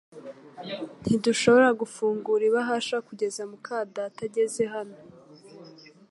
Ntidushobora gufungura ibahasha kugeza muka data ageze hano